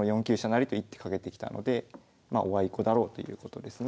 成と１手かけてきたのでまあおあいこだろうということですね。